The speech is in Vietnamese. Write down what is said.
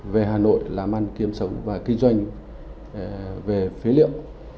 về hà nội làm ăn kiếm sống và kinh doanh về phế liệu